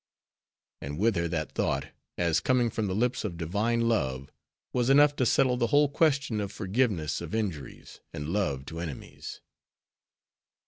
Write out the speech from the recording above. And with her that thought, as coming from the lips of Divine Love, was enough to settle the whole question of forgiveness of injuries and love to enemies.